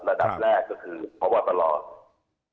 ระดับแรกก็คือภาวะตลอด